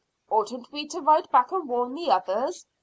"Oughtn't we to ride back and warn the others?"